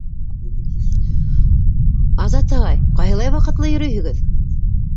Азат ағай, ҡайһылай ваҡытлы йөрөйһөгөҙ!